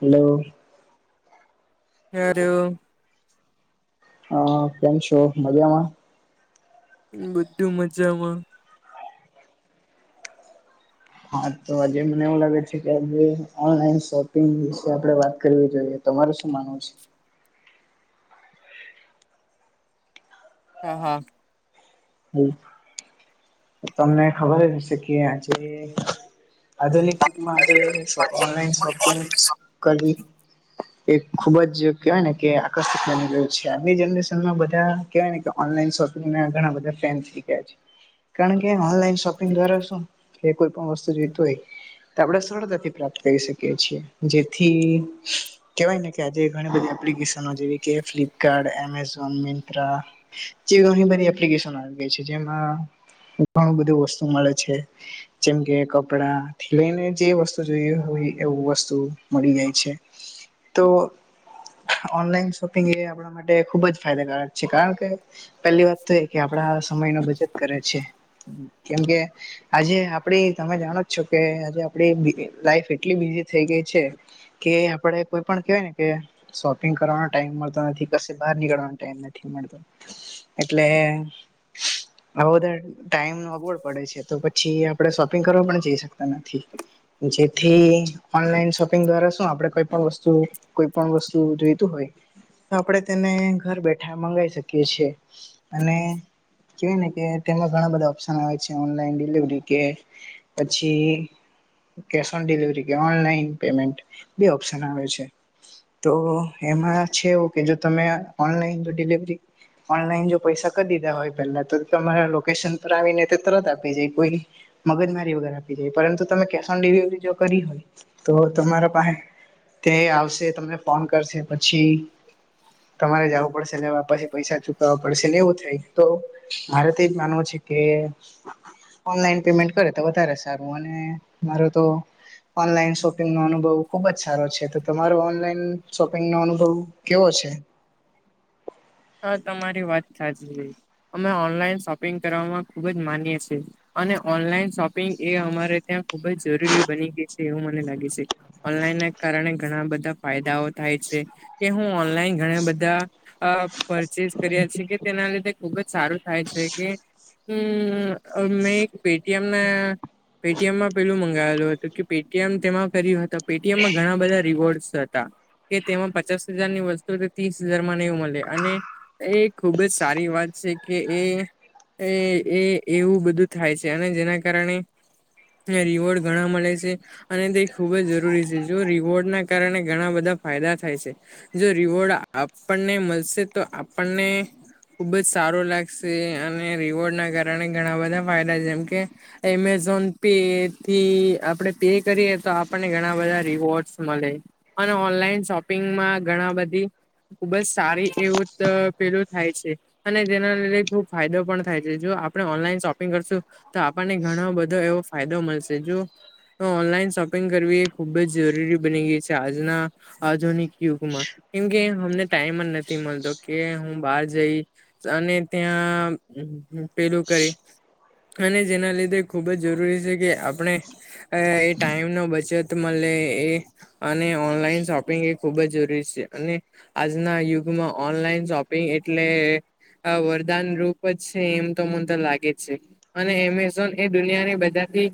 Hello. [unintelligible] હા કેમ છો મજામાં? બધું મજામાં. હા તો આજે મને એવું લાગે છે કે આજે ઓનલાઈન શોપિંગ વિશે આપે વાત કરવી જોઈએ. તમારે શું માનવું છે? હા હા. [inaudible] તમને ખબર જ હશે કે આજે આધુનિક યુગમાં આજે ઓનલાઈન શોપિંગ કરવી એ ખુબ જ કેહેવાય ને કે આકર્ષિત બની ગયું છે. આજની જનરેશનમાં બધા કેવાયને કે ઓનલાઈન શોપિંગ ઘણા બધા ફેન થઈ ગયા છે. કારણ કે ઓનલાઈન શોપિંગ દ્વારા શું એ કોઈ પણ વસ્તુ જીવત હોય આપણે સરળતાથી પ્રાપ્ત કરી શકીએ છીએ. જેથી કેવાય ને કે આજે ઘણી બધી એપ્લિકેશનો જેવી કે ફ્લિપકાર્ટ, એમેઝોન, મિંત્રા જેણી બધ એપ્લિકેશ આવી ગઈ છે જેમાં ઘણું બધું વસ્તુ મળે છે. જેમ કે કપડા થી લઈને જે વસ્તુ જોઈ હોય એવું વસ્તુ મળી જાય છે. તો ઓનલાઈન શોપિંગ એ આપણા માટે ખુબ જ ફાયદાકારક છે કારણ કે પેલી વાત તો કે આપડા આ સમય ન બચત કરે છે. કેમકે આજે આપડી તમે જાણો જ છો કે આજે આપડી લાઈફ એટલી બીઝી થઈ ગઈ છે. કે આપડે કોઈ પણ કેવાય ને કે શોપિંગ કરવાનો ટાઈમ મળતો નથી કે બહાર નીકળવાનો ટાઈમ નથી. મળ એટલે આ બધારે ટાઈમ અગવડ પડે છે તો પછી આપણે શોપિંગ કરવા પણ જઈ શકતા નથી. જેથી ઓનલાઈન શોપિંગ દ્વારા શું આપે કઈ પણ વસ્તુ કોઈ પણ વસ્તુ જોઈતું હોય તો આપણે તેને ઘર બેઠા મંગાવી શકીએ છીએ અને કેવાય ને કે તેમાં ઘણા બધા ઓપ્શન આવે છે ઓનલાઈન ડિલિવરી કે પછી કેશ ઓન ડિલિવરી કે ઓનલાઈન પેમેન્ટ બ ઓપ્શન આવે છે તો એમાં છે એવું કે જો તમે ઓનલાઈન જો ડિલિવરી ઓનલાઈન જો પૈસા કરી દીધા હોય પેલા તો તમારા લોકેશન પર આવી ને તો તરત આપી જાય કોઈ મગજમારી વગર આપી જાય પરંતુ તમે કેશ ઓન ડિલિવરી જો કરી હોય તો તમારા પાહે તે આવશે તમને ફોન કરશે પછી તમારે જવું પડશે લેવા અને પૈસા ચુકવવા પડશેને એવું થાય. તો મારે તોજ માનવું છે કે ઓનલાઈન પેમેન્ટ કરે તો વધારે સારું અને માર તો ઓનલાઈન શોપિંગનો અનુભવ ખુબ જ સારો છે તો તમારો ઓનલાઈન શોપિંગનો અનુભવ કેવો છે. હા તમારી વાત સાચ અમે ઓનલાઈન શોપિંગ કરવામાં ખુબ જ માનીએ છીએ. અને ઓનલાઈન શોપિંગ એ અમારે ત્યાં ખુબ જ જરૂરી બની ગઈ છે એવું મને લાગે છે ઓનલાઈન ના કારણે ઘણા બધા ફાયદાઓ થાય છે કે હું ઓનલાઈન ઘણા બધા પરચેસ કર્યા છે કે તેના લીધે ખુબ જ સારું થાય છે કે હમ મેં એક પેટીએમને પેટીએમમાં પેલું મંગાયેલું હતું કે પેટીએમ તેમાં કર હત પેટીએમમાં ઘણા બધા રિવોર્ડસ હતા કે તેમાં પચાસ હજાર ની વસ્તુ તો ત્રીસ હજારમાં નહ મળે અને એ ખુબ જ સારી વાત છે કે એ એ એ એવું બધું થાય છે અને જેના કારણે રિવોર્ડ ઘણા મળે છે અને તે ખુબ જ જરૂરી છે જો રિવોર્ડ ના કારણે ઘણા બધા ફાયદા થાય છે જો રિવોર્ડ આપણને મળશે તો આપણને ખુબ જ સારું લાગશે અને રિવોર્ડ ના કારણે ઘણા બધા ફાયદા જેમ કે એમેઝોન પે થી આપણેે પે કરીએ તો આપણને ઘણા બધા રીિવોર્ડસ મળે અને ઓનલાઈન શોપિંગમાં ઘણા બધી ખુબ જ સારી એવું પેલું થાય છે અને જેના લીધે ખુબ ફાયદો પણ થાય છે જો આપણે ઓનલાઈન શોપિંગ કરશું તો આપણને ઘણો બધો એવો ફાયદો મળશે જો તો ઓનલાઈન શોપિંગ કરવી એ ખૂબ જ જરૂરી બની ગઈ છે આજના આજુની યુગમાં કેમકે અમને ટાઈમ જ નથી મળતો કે હું બહાર જઈ અને ત્યાં પેલું કરી અને જેના લીધે ખૂબ જ જરૂરી છે કે આપણે અ એ ટાઈમ નો બચત મળે એ અને ઓનલાઈન શોપિંગ એ ખુબ જ જરૂરી છે અને આજનાયુગ માં ઓનલાઈન શોપિંગ એટલે આ વરદાન રૂપ જ છે એમ તો મને તો લાગે છે અને એમેઝોન એ દુનિયાની બધાથી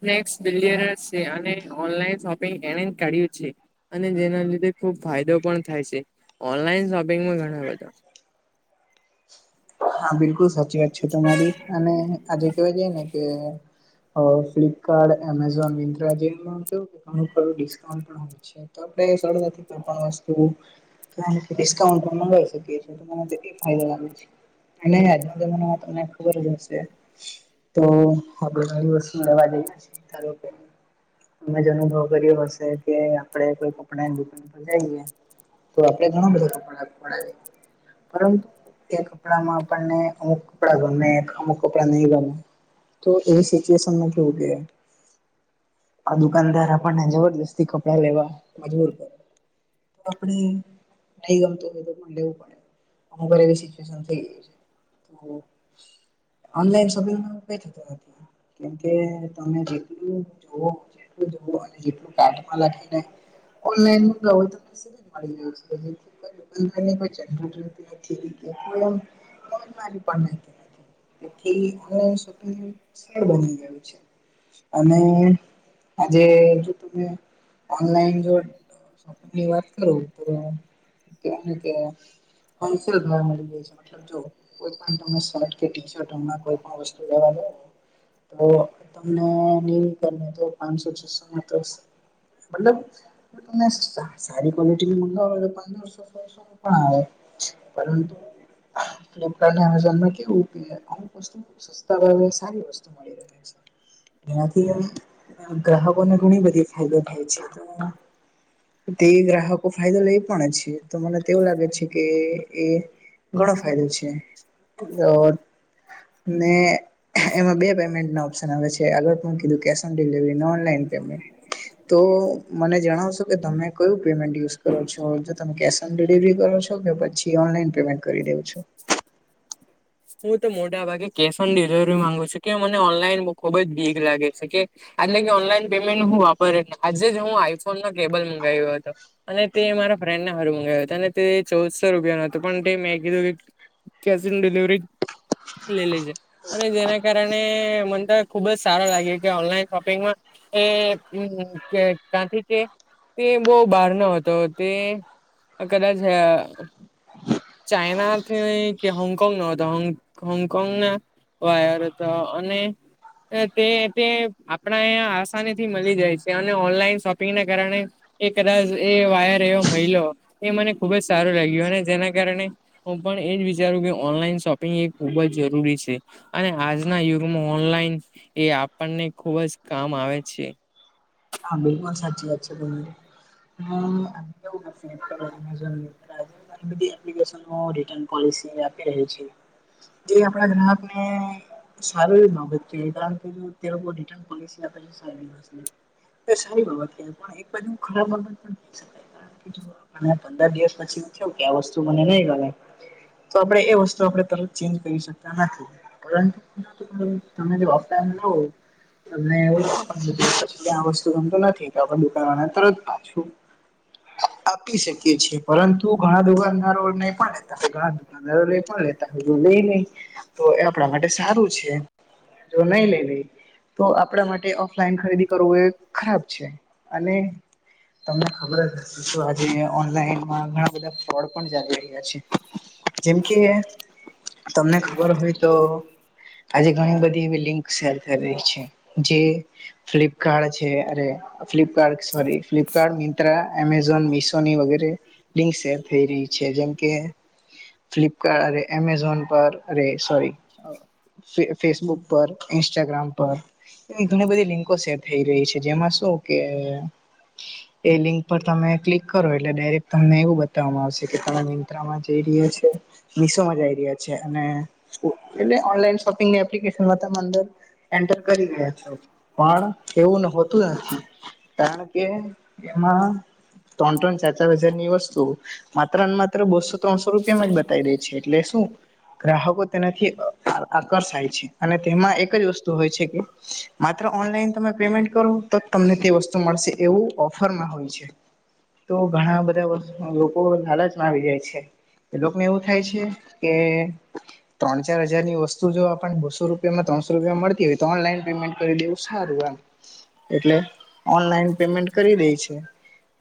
સ્નેક્સ ડલરસ છે અને ઓનલાઈન શોપિંગ એને ક્યું છે અને જેના લીધે ખુબ ફાયદો પણ થાય છે ઓનલાઈન શોપિંગમાં ઘણા બધા હા બિલકુલ સાચી વાત છે તમારી અને આજે કેવા જાય ને કે ફ્લિપકાર્ટ એમેઝોન મંદ્રા જેમાં કું કે ઘણું ખડું ડિસ્કાઉન્ટ પણ હોય છે તો આપડે સરળ નથી કો પણ વસ્તુ ડિસ્કાઉન્ટ પણ મગાવી શકીએ છીએ, તેનો એ ફાયદો લાગે છે? નહીં, આજ મને તમને ખબર જ હશે. તો અગણી વતુ મેવા જઈએારો [unintelligible] અમે જ અનુભવ કર્યો હશે કે આપડે કોઈ કપડાની દુકાન પર જઈએ તો આપડે ઘણ બધા કપડાડ પરંતુ કડામાં આપણને અમુક કપડા ગમે અમુક કપડાં નહીં ગમે તો એવી સિચ્યુએશનમાં જોવુંગ આ દુકાનદાર આપણને જબરજસ્તી કપડા લેવા મજબૂર કર તો ગમતું હોય, તો પણ લેવું પડે. અું ઘરે સચુ [unintelligible] ઓનલાઈન શોપિંગ. કેમકે તમે જેટલું જોવ. જેું લને [unintelligible] [unintelligible] [unintelligible] અને આજે જો તમે ઓનલાઈન જો. ની વાત કરું તો, ભી મળી જ છે. જો કોઈ ટી-શર્ટ કે શર્ટ, હમ કોઈ વસ્તુ લેવા તો તમને નહીં કને, તો પાંચસો-છસો માં તો. મતલબ, તમે સારી ક્વલિટી મંગાવો એ પદરસો. હુ પણ આવે, પરંતુ રા, એમેઝોનમાં કેવું કે અમુક વસ્તુ સસ્તા ભાવે સારી વસ્તુ મળી રહે. એનાથી ગ્રાહકોને ઘણી બધી ફાયદો થાય છે. તે ગ્રાહકો ફાયદો લે પણ છે, તો મને તેવું લાગે છે કે એ ઘણો ફાયદો છે ને. એમાં બે પેમેન્ટ ના ઓપ્શન આવે છે, એક કીધું કે ઓન ડિલવરી, ઓનલાઈન પેમેન્ટ. તો મને જણાવશો કે તમે કયું પેમેન્ટ યુઝ કરો છો? જો તમે કેશ ડિલિવરી કરો છો કે પછી ઓનલાઈન પેમેન્ટ કરી દેઉં છો? હું તો મોટા ભાગે કેશ ઓન ડિલવરી માંગુ છું, કે મને ઓનલાઈન ખુબ જ ભીક લાગે છે કે. એટલે કે ઓનલાઈન પેમેન્ટ હું વાપરી. આજે જ હું આઈફોન નું કેબલ મંગાવ્યો હતો. અને તે મારા ફ્રેન્ડને હાર મંગાવ્યો, અને તે ચૌદસો રૂપિયા નું હતો. પણ તે મે કીધું કે કેશ ઓન ડિલિવરી. લેલી છે, અને જેના કારણે મને તો ખુબ જ સારો લાગે કે ઓનલાઈન શોપિંગમાં એ કાંઈથી કે તે બહ બાર ન હતો તે. કદાચ ચાઈનાથી કે હોંગકોંગ નો હતો. હોંગકોંગ ના વાયર હતા, અને તે તે આપણા અહીયા આસાની થી મળી જાય છે, અને ઓનલાઈન શોપિંગ ના કારણે એ કદાચ એ વાયર એવો મહિલો એ મને ખુબ જ સારું લાગ્યું, અને જેના કારણે હું પણ એજ વિચારું કે ઓનલાઈન શોપિંગ એ ખુબ જ જરૂરી છે, અને આજના યુગમાં ઓનલાઈન એ આપણને ખુબ જ કામ આવે છે. હા, બિલકુલ સાચી વાત છે, બો. ફનન રટન ર છે [unintelligible] એ આપણા ગ્રાહક ને. સારું, એવી બાબત છે, કારણ કે જો લોકો રિટર્ન પોલિસી એપ છે સારી. એ સારી બાબત થઈ, પણ એક બાજુ ખરાબ બાબત પણ થઈ શકે. પંદર દિવસ પછી થયું કે, મને આ વસ્તુ નહીં ગમે. તો આપણેે એ વસ્તુ આપણે તરત ચેન્જ કરી શકતા નથી. પરંતુ તમે ઓફલાઈન હો એટલે આ વસ્તુ ગમત નથી કે આપણે દુકાન વાળ તરત પાછું આપી શકીએ છીએ પરંતુ ઘણા દોગાના રોલ નહી પણ લેતાણા દ પણ લેતા હોય લઈ નઈ તો એ આપણા માટે સારું છે જો નહી લેવી તો આપણા માટે ઓફલાઈન ખરીદી કરવું એ ખરાબ છે અને તમને ખબર જ હ તો આજે ઓનલાઈનમાં ઘણા બધા ફ્રોડ પણ ચાલી રહ્યા છે. જેમ કે, તમને ખબર હોય તો આજે ઘણી બધી એવી લિંક શેર કરી રહી છે, જે ફ્લિપ કાર્ડ છે. અરે, Flipkart sorry, Flipkart, Myntra, Amazon મિશોની વગેરે. લિંક શેર થઈ રહી છે, જેમ કે ફ્લિપકાટ, અરે એમેઝોન પર, અરે સોરી. ફેસબુક પર ઇન્સ્ટાગ્રામ પર ઘણી બધી લિંકો છે. થઈ રહી છે જેમાં શું કે એ લિંક પર તમે ક્લિક કરો એટલે ડાયરેક્ટ તમને એવું બતાવવામાં આવશે કે ત ત્રામાં જઈ રહ્યા છે મશોમાં જ રહ્યા છે અને એટલે ઓનલાન શોપિંગ એપ્લિકેશનંદર એન્ટર કરી ગયા પણ એવું હોતું ને કારણ કે એમાં ત્રણ ત્રણ ચાર ચાર હજારની વસ્તુ માત્ર ને માત્ર બસો ત્રણસો રૂપિયામાં જ બતાવી દે છે એટલે શું ગ્રાહકો તેનાથી આકર્ષાય છે અને તેમાં એક જ વસ્તુ હોય છે કે માત્ર ઓનલાઈન તમે પેમેન્ટ કરો તો જ તમને તે વસ્તુ મળશે એવું ઓફરમાં હોય છે તો ઘણા બધા વસ્તુ લોકો લાલચમાં આવી જાય છે. એ લોકોને એવું થાય છે કે- ત્રણ ચાર હજારની વસ્તુ જો આપણ બોસો રૂપિયા ત્રસો રૂપિયા મળતી હોય તો ઓનલાઈન પેમેન્ટ કરી દેવું સારું એમ. એટલે ઓનલાઈન પેમેન્ટ કરી દે છે.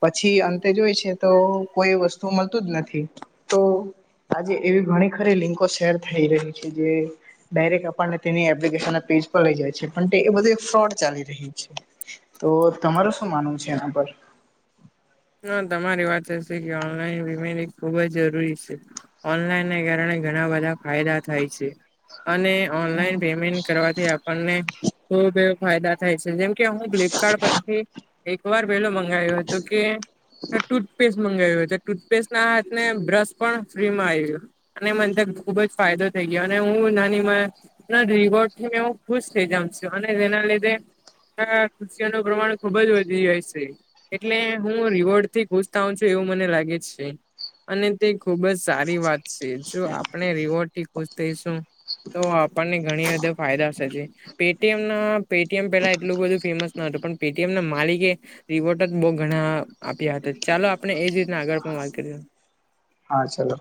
પછી અંતે જોઈ છે તો કોઈ વસ્તુ મળતું જ નથી તો- આજે એવી ઘણી ખરી લિંકો શેર થઈ રહી છે જે- ડાયરેક્ટ આપણને તેની એપ્લિકેશન ના પેજ પર લઈ જાય છે પણ તે એ બધું એક ફ્રોડ ચાલી - તો તમારું શું માનવું છે એના પર? ના તમારી વાત સાચી કે ઓનલાઈન વિમેની ખુબ જ જરૂરી છે. ઓનલાઈનને કારણે ઘણા બધા ફાયદા થાય છે અને- ઓનલાઈન પેમેન્ટ કરવાથી આપણને ખુબ એવ ફાયદા થાય છે જેમ- કે હું ફ્લિપકાર્ટ પરથી એક વાર પેલો મંગાવ્યો હતો કે- ટૂથપેસ્ટ મંગાવ્યું હતો ટૂથપેસ્ટ ના હાથને બ્રશ પણ ફ્રી માં આવ્યો. અને મને ત ખુબ જ ફાયદો થઈ ગયો અને હું નાનીમાં- રિવોડ થી મેઓ હું ખુશ થઇ જાઉં છું અને જેના લીધે- ખુશિયા ન પ્રમાણ ખુબ જ વધી જા સે એટલે હું- હું રિવોર્ડ થી ખુશતાઉં છું એવું મને લાગે છે- અને તે ખુબ જ સારી વાત છે જો આપણે રીવોથી ખુશ થઈશું- તો આપણને ઘણી બધી ફાયદાશે છે- પેમ ના પેટીએમ પેલા એટલું બધું ફેમસ ન હતું પણ પેટીએમ ના માલિકે- રીવોટ જ બહ ઘણા આપ્યા હતા ચાલો આપણે એજ રીતના આગળ પણ વાત કરીએ. હા ચલો.